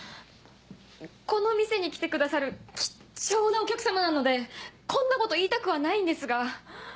この店に来てくださる貴重なお客様なのでこんなこと言いたくはないんですが。